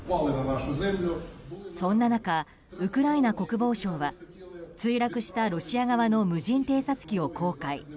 そんな中、ウクライナ国防省は墜落したロシア側の無人偵察機を公開。